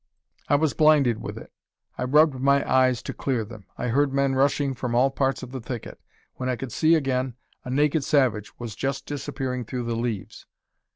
I was blinded with it; I rubbed my eyes to clear them. I heard men rushing from all parts of the thicket. When I could see again, a naked savage was just disappearing through the leaves.